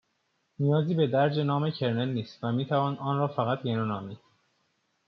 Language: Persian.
نیازی به درج نام کرنل نیست و میتوان آن را فقط «گنو» نامید